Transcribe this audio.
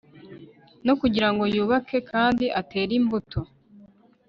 no kugira ngo yubake kandi atere imbuto